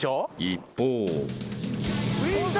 ［一方］